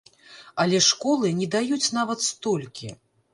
Але школы не даюць нават столькі.